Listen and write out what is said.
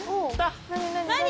何？